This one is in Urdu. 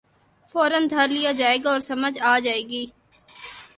فورا دھر لیا جائے گا اور سمجھ آ جائے گی۔